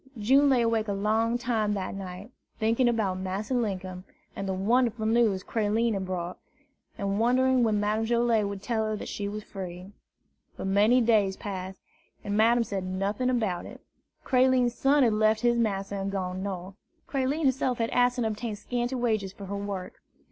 June lay awake a long time that night, thinking about Massa Linkum, and the wonderful news Creline had brought, and wondering when Madame Joilet would tell her that she was free. But many days passed, and Madame said nothing about it. Creline's son had left his master and gone North. Creline herself had asked and obtained scanty wages for her work.